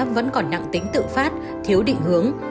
vẫn còn nặng tính tự phát thiếu định hướng